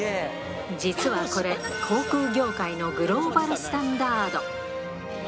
実はこれ、航空業界のグローバルスタンダード。